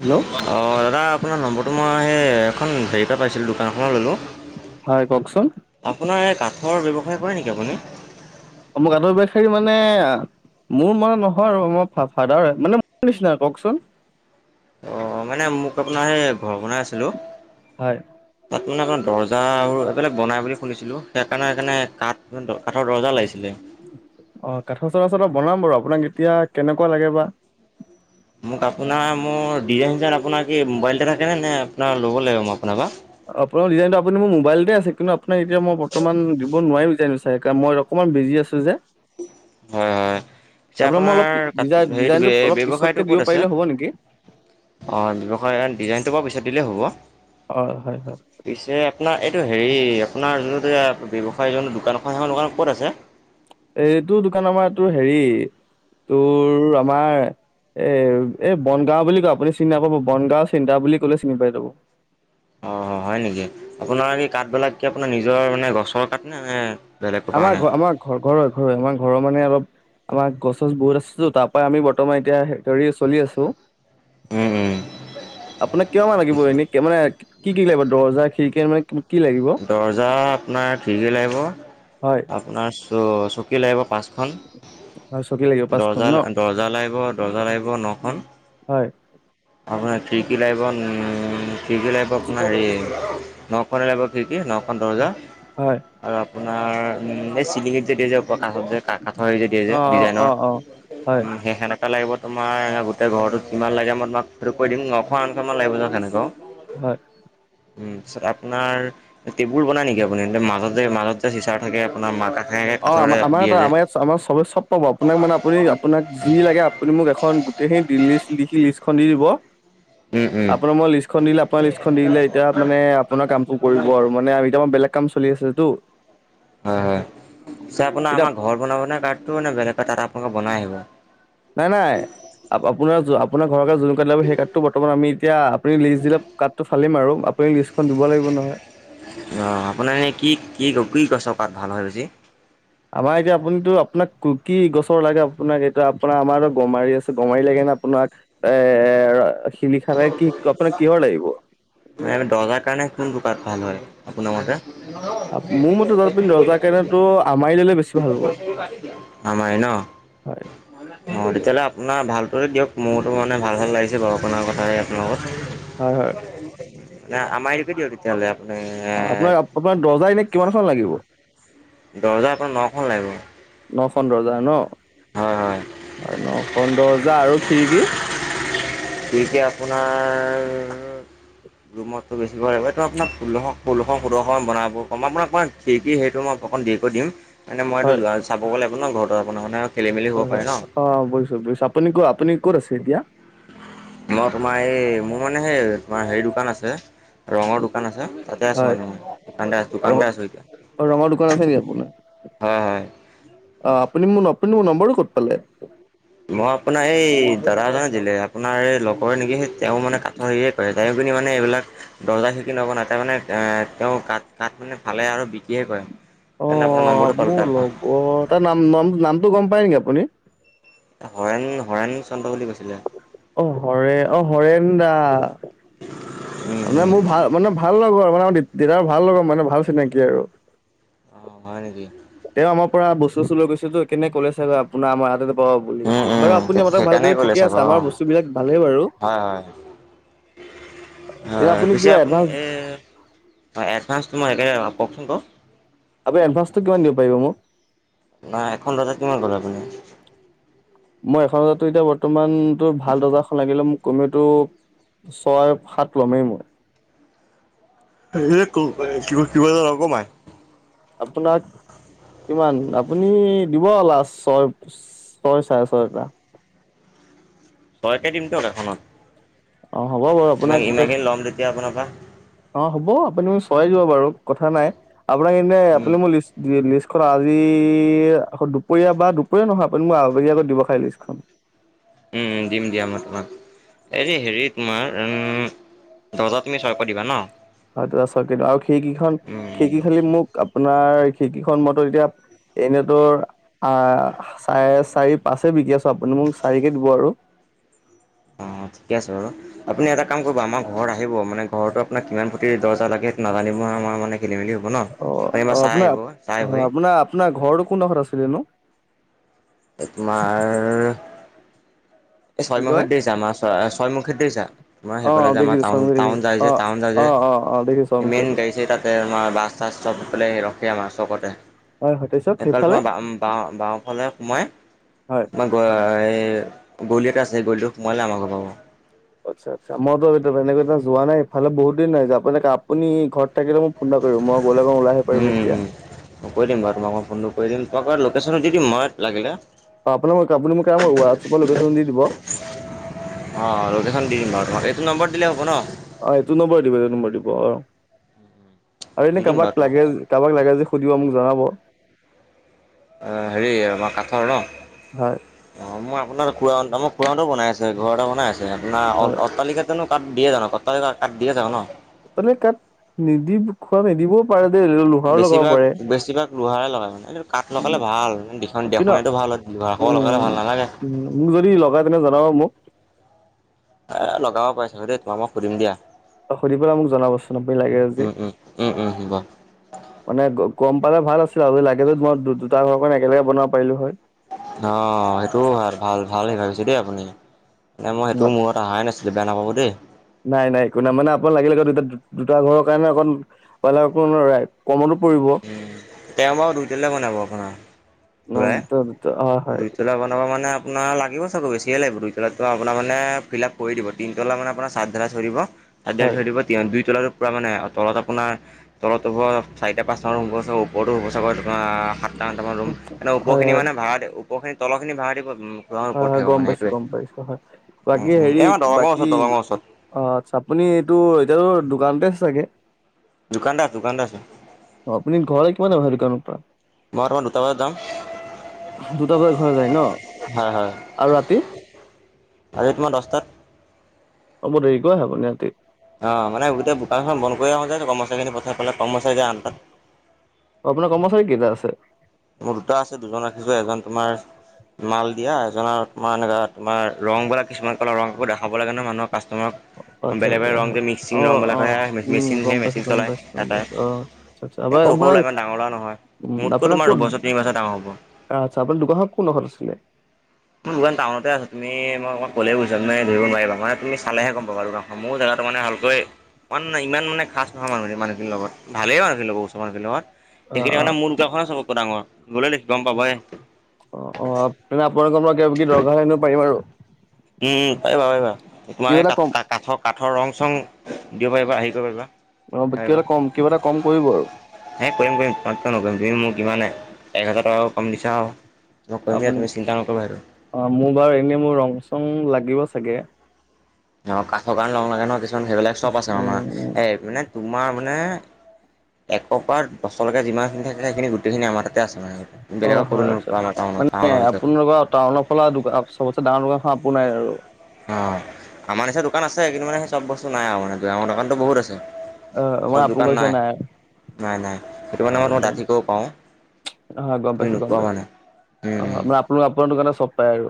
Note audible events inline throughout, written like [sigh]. Hello দাদা আপোনাৰ নম্বৰটো মই সেই এখন হেৰিৰ পৰা পাইছিলোঁ দোকানখনৰ ল'লোঁ। হয় কওকচোন। আপোনাৰ এই কাঠৰ ব্যৱসায় কৰে নেকি আপুনি? অ', মই কাঠৰ বেখাৰি মানে মোৰ মানে নহয় আৰু মুৰ ফা-ফাদাৰ মানে মোৰ নিচিনা কওকচোন? অহ মানে মোক আপোনাৰ সেই ঘৰ বনাই আছিলো হয়। তাত মানে আপোনাৰ দৰ্জা আৰু এইবিলাক বনাই বুলি শুনিছিলোঁ সেইকাৰণে সেইকাৰণে কাঠ কাঠৰ দৰ্জা লাগিছিলে অহ কাঠৰ চৰা চলৰ বনাম বাৰু আপোনাক এতিয়া কেনেকুৱা লাগে বা? মোক আপোনাৰ মোৰ ডিজাইন চিজাইন আপোনাৰ কি মোবাইল এটা থাকে নে নে আপোনাৰ ল'ব লাগিব মই আপোনাৰ পা আপোনাৰ ডিজাইনটো আপুনি মোবাইলতে আছে কিন্তু আপোনাক এতিয়া মই বৰ্তমান দিব নোৱাৰিম। মই অকণমান বিজি আছোঁ যে। হয়-হয়। আছে মই অলপ ডিজাই আপোনাৰ হেৰিটো ডিজাইনটো অলপ পিছতকে ব্যৱসায়টো দিব ক'ত আছে? পাৰিলে হ'ব নেকি অক্ষ ব্যৱসায় ডিজাইনটো বাওঁ পিছত দিলেই হ'ব। অ হয় হয় পিছে আপোনাৰ এইটো হেৰি আপোনাৰ যোন ব্যৱসায় যটো দোকান সেইখন দোকানত ক'ত আছে? এইটো দোকান আমাৰ এইটো হেৰি তোৰ আমাৰ এ, এই বনগাঁও বুলি কয় আপুনি চিনি নাপাব, বনগাও চেন্তাৰ বুলি কলে চিনি পাই যাব। অ'-স', হয় নেকি? আপোনাৰ কি কাঠ বিলাক কি আপোনাৰ নিজৰ মানে গছৰ কাঠ নে-নে? আমাৰ ঘৰআমাৰ ঘৰ ঘৰ হয় হয়আমাৰ ঘৰৰ মানুহে অলপ আমাৰ গছ গছ বহুত আছে তাৰ পৰা আমি বৰ্তমান এতিয়া ধৰি চলি আছো। উম', -উম'। আপোনাক কিমান লাগিব এনেই মানে কি-কি লাগিব দৰ্জা, খিৰিকী মানে কি লাগিব? দৰ্জা আপোনাৰ খিৰিকী লাগিব, হয় আপোনাৰ চ চকী লাগিব পাচ খন, হয় চকী লাগিব পাঁচখন ন দৰ্জা-দৰ্জা লাগিব-দৰ্জা লাগিব নখন। হয় আপোনাৰ খিৰিকী লাইভন খিৰিকী লাইভ আপোনাৰ হেৰি নখনে লাগিব খিৰিকী কি নখন দৰ্জা হয় আৰু আপোনাৰ এই চিলিঙ দিয়ে যে প্ৰকাহুধ যে কা-কাঠৰ যে দিয়ে যে অ অ অ ডিজাইনৰ অ হয় উম', সেই সেনে এটা লাগিব তোমাৰ গোটেই ঘৰটো যিমান লাগে মই তোমাক সেইটো কৈ দিম নশ আঠশমান লাগিবা তেনেকুৱাও হয় উ ', তাৰছত আপোনাৰ টেবুল বনাই নেকি আপুনি এ মাজত যে মাজত যে চিচাৰ থাকে আপোনাৰ মাকা অহ আমাৰ আমাৰ আমাৰ ইয়াত আমাৰ চব চব পাব আপোনাক মানে আপুনি আপোনাক যি লাগে আপুনি মোক এখন গোটেইখিনি দীনেশ লিখি লিষ্টখন দি দিব। উম'-উম'। আপোনাৰ মই লিষ্টখন দিলে আপোনাৰ লিষ্টখন দি দিলে এতিয়া মানে আপোনাৰ কামটো কৰিব আৰু মানে এতিয়া মই বেলেগ কাম চলি আছিল তো। হয় হয় পিছে আপোনাৰ আমাৰ ঘৰত বনাব কাৰ্ডটো বেলেগ ত আপোনালোকে বনাই আহিব। নাই-নাই আপোনাৰ জো ঘৰ যোন কাঠ লাগে সেই কাঠটো বৰ্তমান আমি এতিয়া আপুনি লিষ্ট দিলে কাঠটো ফালিম আৰু আপুনি লিষ্টখন দিব লাগিব নহয়। অঁক্ষ আপোনাৰ এনেই কি কি কি গছৰ কাঠ ভাল হয় বেছি? আমাৰ এতিয়া আপুনো আপোনাক কি গছৰ লাগে আপোনাক এতিয়া আপোনাৰ আমাৰ গমাৰি আছে গমাৰি লাগে ন আপোনাক এ শিলিখা লাগে কি আপোনাক কিহৰ লাগিব মানে দৰ্জাৰ কাৰণে কোনতো কাঠ ভাল হয় আপোনাৰ মতে? [unintelligible] আপ- মোৰ মতে জলপিন দৰ্জাৰ কাৰণেতো আমাৰি ল'লে বেছি ভাল হ'ব আমাৰ ন হয় অহ তেতিয়াহ'লে আপোনাৰ ভাল তহতি দিয়ক মোৰটো মানে ভাল ভাল লাগিছে আপোনাৰ কথাই আপোনালোকৰ হয় হয় ন আমাৰ কতিওি তোললে [unintelligible] অ আপোনাৰ আপোনাৰ দৰ্জাৰ এনে কিমান খন লাগিব দৰ্জা আপোনাৰ ন খন লাগিব ন খন দৰ্জা ন হয় হয় আৰু ন খন দৰ্জা আৰু খিৰিকী খিৰিকীৰ আপোনাৰ ৰুমতো বেছ এইটো আপোনাৰ [unintelligible] ফো বনাব ক আপোনাক কি কি সেইটো মই অকণ দেৰিক কৰি দিম মানে মই এইটো হয় যাব গ'লে আপোনাৰ ঘৰৰত আপোনাৰ মানে খেলি মেলি হ'ব হয় পাৰে হয় ন অ বুজিছো বুজিছো আপুনি ক আপুনি ক'ত আছে এতিয়া মই তোমাৰ এই মোৰ মানে সেই তোমাৰ হেৰি দোকান আছে ৰঙৰ দোকান আছে তাতে আছো হয় মান মই দোকানতে আছো ৰঙ দোকানতে আছো এতিয়া অ ৰঙৰ দোকান আছে নেকি আপোনাৰ? হয় হয় অ' আপুনি আপুনি মোৰ নম্বৰটো ক'ত পালে মই আপোনাৰ এই দাদা জনে দিলে আপোনাৰ এই লগৰে নেকি সেই তেওঁ মানে কাঠ হেয়ে কৰে তেওঁ পিনি মানে এইবিলাক দৰ্জা খিৰিকী নবনাই তাৰ মানে এ তেওঁ কা কাঠ মানে ফালে আৰু বিকিয়ে কৰেয় অ মোৰ লগৰ তাৰ নাম নাম নামটো গম পায় নেকি আপুনি হৰেণ হৰেণ চন্দ্ৰ বুলি কৈছিলে অ হৰে অ হৰেন দা উম মানে উম। মোৰ ভাল মানে ভাল লগৰ মানে দেউতা ৰভাল লগৰ মানে ভাল চিনাকি আৰু অ হয় নেকি তেওঁ আমাৰ পৰা বস্তু চস্তলৈ গৈছে তো একেদিনাই ক'লে চাগৈ আপোনাৰ আমাৰ অহ বুলি উম উম বাৰু আপুনি মতক ভাল সেইকাৰণে কৰিলে ক'লে ঠিকে চাগৈ আছে অ' আমাৰ বস্তু বিলাক ভালে বাৰু হয় [unintelligible] এতিয়া হয় পিছে কিবা আপুনি এডভান্স এই এডভাঞ্চটো মই একোৰে কওকচোন বাৰু আপোনি এডভ্ৰটো কিমান দিব পাৰিব মোক নাই এখন দৰ্জাত কিমান গ'ল আপুনি মই এখন দৰ্জাত এতিয়া বৰ্তমান তোৰ ভাল দৰ্জাখন লাগিলে মোক কমেওটো ছয় সাত ল'মেই মই হে কিবা এটা নকমাই আপোনাক কিমান আপুনি দিব লাষ্ট ছয় ছয় চাৰে ছয়টা ছয় কে দিমটো এখনত অ হ'ব বাৰু ইমান আপোনাক ইমানখিনি ল'ম যেতিয়া আপোনাৰ পৰা। কেতিয়া অ হ'ব আপুনি মোক ছয় দিব বাৰু কথা নাই আপোনা এনে উম, আপোনি মোক লিষ্ট দে লিষ্ট আজি আকৌ দুপৰীয়া বা দুপৰীয়া নহয় আপুনি মোক আগি আগত দিব খাই লিষ্টখন উম উম দিম দিয় তোমাক এইৰি হেৰি তোমাৰ উম দৰ্জা তুমি ছয়কে দিবা ন হয় ছয়কে দিওঁ কিন্তু আৰু খিৰিকীখন উম, খিৰিকি খালি মোক আপোনাৰ খিৰিকীখন মই তো এতিয়া এনেতোৰ আহ চাৰে চাৰি পাঁচ বিকি আছো আপুনি মোক চাৰিকে দিব আৰু অহ অ ঠিকে আছে বাৰু আপুনি এটা আমাৰ ঘৰত আহিব মানে ঘৰৰতটো আপোনাক কিমান প্ৰতি দৰ্জা লাগে সেইটো নাজানিব মই মানে খেলি মেলি হব ন অ অ এবাৰচাই আপোনাৰ আহিব চাই অ আহিবহি আপোনাৰ আপোনাৰ ঘৰটো কোনডোখৰত আছিলেনো একমাৰ এই কি কয় ছয়মুখে দি যামা ছয় ছয়মখে দে যাম [unintelligible] মই সেই অ ফালে যাম দেখিছো চৰ্মিক টাউন দেখিছো যায যে অ টাউন যাই যে অ অ অ দেখিছো চৰ্মিক ইমেইন সেইটো গাড়ী তাতে আমাৰ বাছ চাছ চবফালে ৰখে আমাৰ হয় হয় তাৰপিছত এফাল সেইফালে তোমাৰ বা বা বাওঁ হ'লে সোমাই হয় মই এই গলি এটা আছে গলিটো সোমোৱালে আমাক ঘৰ পাব আচ্ছা আচ্ছা মইটো এনেকেত যোৱা নায় ইফালে বহুত দিন নাই যোৱা, এফালে কাপ আপুনি ঘৰত থাকিলে মোক ফোন এটা কৰিব মই গ'লে অকণ ওলাই আহিব পাৰিব তেতিয়া উম কৈ দিম বাৰু তোমাকক ফোনটো কৰি দিম, তোমাক মই লগ লোকেশ্যন টো দিদিম মই লাগিলে। আপোনাকোক আপুনি এ হোৱাটছাপত লোকেচন দি দিব। অ', লোকেশ্যন দি দিম বাৰু এইটো নাম্বাৰত দিলে হ'ব ন? অ এইটো নম্বৰ দিব এইটো নম্বৰ দিব অ। আৰু দি এনে দিম বাৰু কাৰোবাক তোমাক। লাগে কাৰোবাক লাগে যে সুধিব মোক জনাব। হেৰি অ কাঠৰ ন? হয় অ মই আপোনাৰ খুৰাসন্তে মোক খুৰাসন্তে বনাই আছে ঘৰ এটা বনাই আছে, আপোনাৰ অ হয় অটালিকাতেনো তাত দিয়ে জানো কতালিকাত তাত দিয়ে জানো ন? মানে তাত নিদি খোৱা নিদিবও পাৰে দেই লোহাৰ লগাব বেছিভাগ পাৰে। বেছিভাগ লোহাৰে লগায়। এইটো কাঠ লগালে ভাল, দিখন কিন্তু দেখটো ভাল হঘাৰ খব লগালে উম ভাল নালাগে। চলাব মোক এ লগাব পাইছো দেই, তোমাক মই সুধিম দিয়া। অ সুধি পেলাই মোক জনাবচোন আপুনি লাগে যদি, উম, উম, উম, উম, হ'ব। মানে গম পালে ভাল আছিলে আও লাগে যদি মই দুটা ঘৰ মানে একেলগে বনাব পাৰিলো হয়। অ সেইটোও ভাল ভাল ভাল শিকাইছে দেই আপুনি। নাই মই ন সেইটো মূৰত অহাই নাছিলো বেয়া নাপাব দেই। নাই নাই একো নাই মানে আপোনাৰ লাগিলে দুটা দুটা ঘৰৰ কাৰণে অকণ [unintelligible] তেওঁ বাও দুইটেলিয়া বনাব আপোনাৰ ন খুৰাই। ত ত হয় হয় দুইতলা বনাব মানে আপোনাৰ লাগিব চা- বেছিয়ে লাগিব দুইতলাতটো আপোনাৰ মানে ফিলাপ কৰি দিব তিনতলা মানে আপোনাৰ চাদ ধেলেই থৈ দিব। আদিয়াল হয় থই দিব দিয়ান দুইটলা। পুৰা মানে তলত আপোনাৰ তলত হ'ব চাৰিটা পাঁচতা মান হুব ওপৰতো হ'ব চাগৈ। সাতটা আঠটামান ৰুম হয় উপৰখিন হয় মানে ভড়া দি উপৰখিনি তলখিনি ভাড়া দিব। খুৰাহঁতৰ হয় ওপৰত হয় থাকিব গম মানে পাইছো সেইটোৱে গম পাইছো হয় উম বাকী উম এই হেৰি আমাৰ দলঙৰ ওচৰত বাকী দলঙৰ ওচৰত অ আচ্ছা আপুনি এইটো এতিয়াতো দোকানতে আছে চাগে? দুকানতে আছে দুকানতে আছোঁ। আপুনি ঘৰলে কিমান অহা দুকানৰ পৰা মই তোমাৰ দুতা বজাত যাম। দুটা বজাত ঘৰ যায় ন, হয় হয় আৰু ৰাতি? আজি তোমাৰ দস্তাত। হ'ব দেৰিকৈ হব নিহঁটি। অ মানে গোটেই দুকানখন বন্ধ কৰি আহোঁ যে কৰ্মচাৰিখিনি পঠাই পেলাই। কৰ্মচাৰী যায় আঠটাত আপোনাৰ কৰ্মচাৰী কেইটা আছে? মোৰ দুটা আছে দুজন ৰাখিছো এজন তোমাৰ মাল দিয়া এজন নৰ তোমাৰ এনেকা তোমাৰ ৰংবিলাক কিছুমান কালৰ ৰং বিলাক দেখাব লাগে নহয় মানুহক। কাষ্টমাৰক আচ্ছা আচ্ছা বেলেগ বেলেগ ৰং হয়। যে মিক্সিং ৰং অ', অ', বলোকে উম, গম মেচিনহে পাইছোঁ, মেচিন গম চলাই পাইছোঁ, গম এটাই পাইছোঁ। অ', আচ্ছা আচ্ছা আমাৰ সৰু সৰু আপোনাৰ লৰা ইমান ডাঙৰ লৰা নহয়। উম মোতকৈ আপোনাৰ তোমাৰ কত দুবছৰ তিনি বছৰ ডাঙৰ হ'ব আচ্ছা আপোনাৰ দোকানত কোন দিশত মোৰ দোকান টাউনতে আছে তুমি মই অকণমান ক'লে বুজাম- ধৰিব নোৱাৰিব মানে তুমি চালে হে গম পাবা, মোৰ জেগাটো মানে ভালকৈ ইমান ইমান মানে খাছ নহয় মানুহখি মানুখিনিৰ লগত, ভালে বাৰো উচৰ মানুহ খিনি লগত। সেইখিনি মানে অ', মোৰ দুকান খন চবতকে ডাঙৰ গ'লে গম পাবাই। অ অ তেনে আপোনালোকৰ মই কিবা দৰকাৰ হ হৈ আনিব পাৰিবা আৰু উম পাৰিবা পাৰিবা তোমাৰ কিবা এই এটা কাঠ কম কাঠৰ কাঠৰ ৰং চং দিব পাৰিবা আহিব অ', কিবা পাৰিবা। এটা কম কিবা এটা কম কৰিব আৰু এ কৰিম কৰিম তাত ক নকৰিম তুমি মোৰ কিমানে এক হাজাৰ টকা কম দিছা আও আপুনি অ মোৰ বাৰু এনে মোৰ ৰং চং লাগিব চাগে অ কাঠৰ কাৰণে ৰং লাগে নহ কিছুমান সেইবিলাক চব আছে উম, আমাৰ এই মানে তোমাৰ মানে একৰপা দচৰলৈকে যিমানখিনি থাকে সেইখিনি গোটেইখিনি আমাৰ তাতে আছে মানে। অ' বেলেগক ক'তো হয়, নোপোৱা আমাৰ টাউনত মানে টাউনৰ ভিতৰত আপোনালোকৰ টাউনৰ ফালা অ চবচে ডাঙৰ দোকানখন আ আপোনাই আৰু অ আমাৰ নিচিনা দোকান আছে কিন্তু মানে সেই চব বস্তু নাই আৰু মানে আমৰ দোকানতটো বহুত আছে অ', চব মানে দোকান আপোনালোকৰ নিচিনা নাই নাই নাই সেইটো কাৰণে মই মই গম ডাঠি কব পাওঁ অ গম পাইছো গম পাইছো উম অ উম আপোন আপোনাৰ দোকানত চব পাই আৰু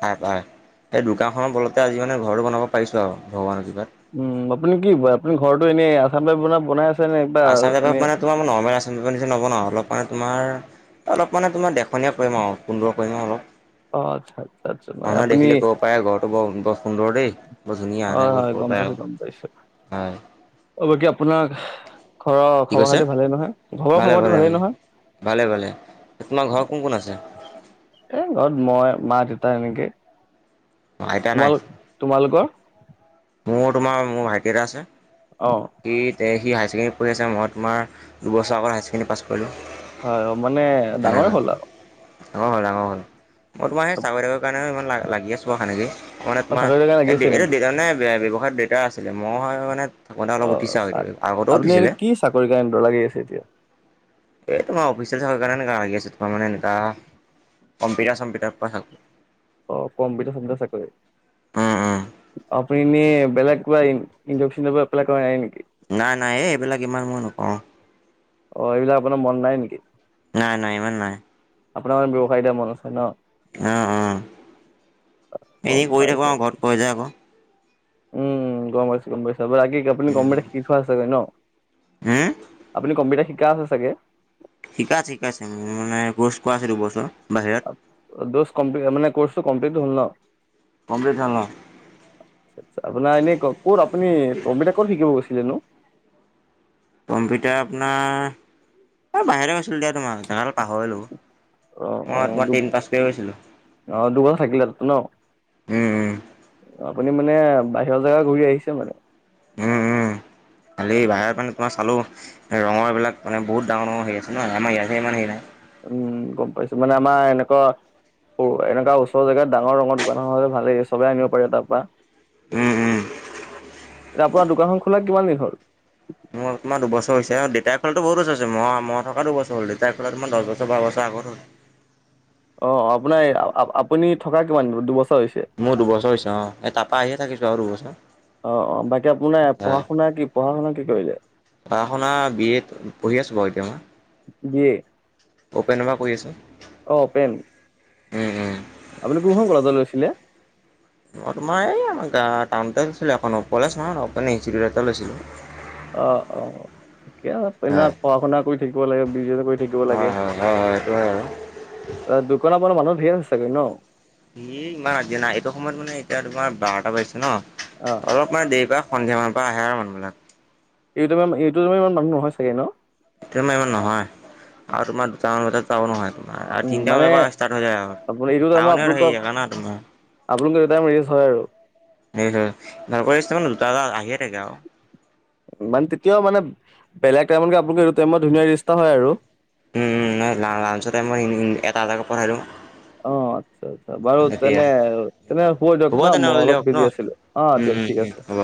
পাই পাই সেই দোকান খনৰ বলতে আজি মানে ঘৰতো বনাব পাৰিছো আও ভগৱানৰ কৃপাত উম, আপুনি কি কৰে আপুনি ঘৰতো এনেই আচাম টাইপ বনা বনাই আছে নে কিবা আচাম এনে টাইপৰ মানে তোমাৰ নৰ্মেল আচাম টাইপৰ নিচিনা নবনাও, অলপ মানে তোমাৰ অলপ মানে তোমাৰ দেখনীয়া কৰিম আও সুন্দৰ কৰিম আও অলপ অ আচ্ছা আচ্ছা মানে মানুহে আপুনি দেখিলে ক'ব পায় ঘৰটো বৰ বৰ সুন্দৰ দেই বৰ ধুনীয়া হয় এনেকৈ হয়, ক'ব গম পাৰে পাইছো আৰু গম পাইছো। হয়, অ বাকী আপোনাৰ ঘৰৰ কি খবৰ কৈছে? খাতি ভালেই নহয় ঘৰৰ ভালে খবৰ পাতি ভালে উম, ভালেই নহয় ভালে ভালে। তোমাৰ ঘৰত কোন কোন আছে? এ ঘৰত মই মা দেউতা এনেকে আইতা নাই? তোমালোক তোমালোকৰ মোৰ তোমাৰ মোৰ ভাইটি এটা আছে অহ এ সি হায় ছেকেণ্ডাৰী পঢ়ি আছে, মই তোমাৰ দুবছৰ আগত হায়াৰ ছেকেণ্ডাৰী পাছ কৰিলো। হয় অ মানে ডাঙৰ হ'ল আও ডাঙৰ হ'ল, ডাঙৰ হ'ল। মই তোমাৰ সেই চাকৰি-তাকৰি কাৰণেও ইমান লাগি আছো আও তেনেকে মানে অ' তোমাৰ, চাকৰি কাৰণে এ লাগি আছে এইটো নেকি? মানে ব্যৱসায়ত দেউতা আছিলে মই মানে থাকোতে অলপ অ' উঠিছে আও চা এ আগতেও আপুনি এনে উঠিছিলে কি চাকৰি কাৰণে লাগি আছে এতিয়া? এই তোমাৰ অফিচ চফিচৰ কাৰণে এনেকা লাগি আছে তোমাৰ মানে সেনকা কম্পিউটাৰ চম্পিউটাৰ প চাল অ', কম্পিউটাৰ-চম্পিউটাৰ চাকৰি। উম উম আপুনি এনে বেলেগ কিবা ইন্জেকন এপ্লাই কৰা নাই নেকি? নাই নাই এই এইবিলাক ইমান মই নকওঁ অ', এইবিলাক আপোনাৰ মন নাই নিকি? নাই নাই ইমান নাই। আপোনাৰ মানে ব্যৱসায়তে মন আছে ন? অ' অ', গম এনেই কৰি থাকো পাইছো আৰু ঘৰত কয় যে আকৌ। উম গম পাইছো গম পাইছো আপোনা কি আপুনি উম, কম্পিউটাৰ শিকি থোৱা আছে গৈ ন হম? আপুনি কম্পিউটাৰ শিকা আছে চাগে শিকা আছে, শিকা আছে মোৰ মানে কৰ্চ কৰা আছে দুবছৰ। বাহিৰত দোচ কম্পি অ মানে কৰ্চটো কমপ্লিট হল ন? কমপ্লিট হ'ল অ আচ্ছা আচ্ছা, আপোনাৰ এনেই ক-ক'ত আপুনি কম্পিউটাৰ ক'ত শিকিব গৈছিলেনো? কম্পিউটাৰ আপোনাৰ, অ বাহৰে আ দিয়া তোমাক তেনেহলে পাহৰিলো অ অ মই তোমাৰ দু ট্ৰেইন পাছ কৰি গৈছিলো অ দুবছৰ থাকিলে ন আপুনি মানে বাহিৰৰ জেগা ঘূৰি আহিছে মানে উম, উম। খালি বাহিৰত মানে তোমাৰ চালো ৰঙৰবিলাক মানে বহুত ডাঙৰ ডাঙৰ হে আছে ন আমাৰ ইয়াত হে ইমান হেৰি নাই উম, গম পাইছো মানে আমাৰ এনেকোৱা অ', এনেকোৱা ওচৰ জেগাত ডাঙৰ ডাঙৰ দোকান হলে ভালেই সবে আনিব পাৰে তাৰ পৰা। উম উম এতিয়া আপোনাৰ দোকানখন খোলা কিমান দিন হল মই-মই থকাটো বছৰ হ'ল ৰিটায়াৰ পৰা তোমাৰ দশ বছৰ বাৰ বছৰ আগত হ'ল। অ', আপোনাৰ আপুনি থকা কিমান, দুবছৰ হৈছে মোৰ দুবছৰ হৈছে অ', এই তাৰাপা আহে থাকিছো আৰু দুবছৰ। অ'-অ', বাকী আপোনাৰ পঢ়া হয় -শুনা কি, পঢ়া- শুনা কি কৰিলে? পঢ়া শুনা বি এড পঢ়ি আছোঁ বাৰু এতিয়া মই। [unintelligible] অপেনমা কৰী আছো। অ অপেন উম'-উম'। আপুনি কোনখন কলেজত লৈছিলে? তোমাৰ এই আমাৰ গ টাউনছিলো এখন কলেজ নহয় অপেন ইনষ্টিটিউটত লৈছিলো। অ'-অ'-অ'। ঠিকে আও [unintelligible] পঢ়া হয় শুনা কৰি থাকিব লাগে, বিজনেস কৰি থাকিব হয় লাগে। হয় হয় হয় এইটো হয় আৰু দোকান [unintelligible] মানুহ ধেৰ আনছে চাগে ন? এ ইমান আজি নাই এইটো সময়ত মানে এতিয়া তোমাৰ বাৰটা বাজিছে ন, অ', অলপ মানে দেৰি পৰা সন্ধিয়া মানৰ পৰা আহে আৰু মানুহবিলাক। এইটো তম এইটো তমাৰ ইমান মানুহ নহয় চাগে ন? এইটো টাইমত ইমান নহয় আৰু তোমাৰ দুটামান বজাত টো আউ নহয়। আৰু উম, মানে তিনিটামানাৰ পৰা ষ্টাৰ্ট হৈ যায় আউ। আপোনাৰ টোৱনত হেৰি জেগা না তোমাৰ। আপোনালোক দেউতাই মেৰিজ হয় আৰু। [unintelligible] ভাল কৰি মানে দুটা এ আহিয়ে থাকে আৰু। মানে তেতিয়াও মানে বেলেগ টাইমতকে আপোনালোকে এইটো টাইমত ধুনীয়া ৰিষ্টা হয় আৰু? এটা-এটা কেই পথাইডিও। অ', আচ্ছা-আচ্ছা বাৰু তেনে-তেনে হব দিয়ক ন মই তেনেহ'লে অলপ দিয়ক ন বিজি আছিলো, অ', উম দিয়ক। উম ঠিক আছে। হ'ব।